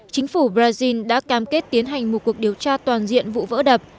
chính phủ brazil đã cam kết tiến hành một cuộc điều tra toàn diện vụ vỡ đập